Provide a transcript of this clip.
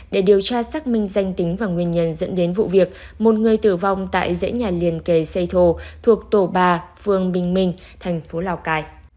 để điều tra xác minh danh tính và nguyên nhân dẫn đến vụ việc một người tử vong tại dãy nhà liền kề xây thù thuộc tổ ba phương bình minh thành phố lào cai